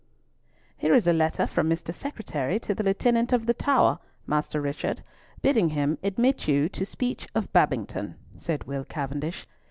"Here is a letter from Mr. Secretary to the Lieutenant of the Tower, Master Richard, bidding him admit you to speech of Babington," said Will Cavendish.